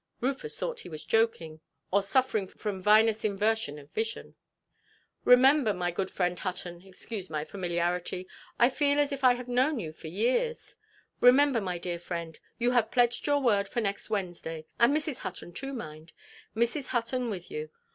Rufus thought he was joking, or suffering from vinous inversion of vision. "Remember, my good friend Hutton—excuse my familiarity, I feel as if I had known you for years—remember, my dear friend, you have pledged your word for next Wednesday—and Mrs. Hutton too, mind—Mrs. Hutton with you.